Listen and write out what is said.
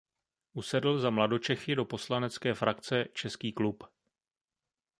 Usedl za mladočechy do poslanecké frakce Český klub.